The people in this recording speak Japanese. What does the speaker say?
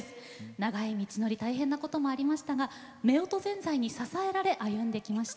長い道のり大変なこともありましたが「夫婦善哉」に支えられ歩んできました。